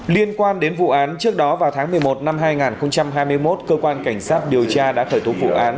liên quan đến vụ án trước đó vào tháng một mươi một năm hai nghìn hai mươi một cơ quan cảnh sát điều tra đã khởi tố vụ án